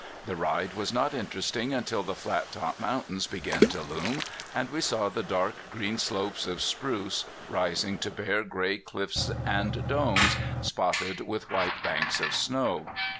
The ride was not interesting until the Flattop Mountains began to loom, and we saw the dark green slopes of spruce, rising to bare gray cliffs and domes, spotted with white banks of snow.